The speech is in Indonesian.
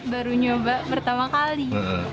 baru nyoba pertama kali